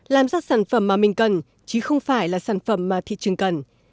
làm ra sản phẩm mà mình cần chứ không phải là sản phẩm mà thị trường cần